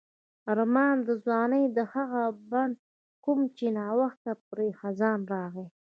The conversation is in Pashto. آرمان د ځوانۍ د هغه بڼ کوم چې نا وخت پرې خزان راغی.